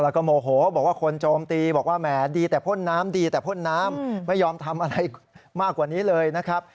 แล้วก็โมโหบอกว่าคนโจมตีบอกว่าแหมดีแต่พ่นน้ำไม่ยอมทำอะไรมากกว่านี้เลย